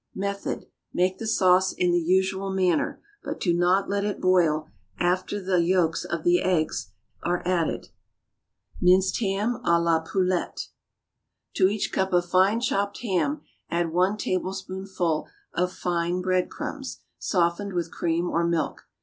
Method. Make the sauce in the usual manner, but do not let it boil after the yolks of the eggs are added. =Minced Ham à la Poulette.= To each cup of fine chopped ham add one tablespoonful of fine bread crumbs, softened with cream or milk.